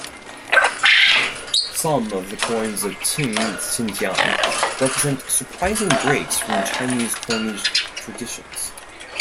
Some of the coins of Qing Xinjiang represent surprising breaks from Chinese coinage traditions.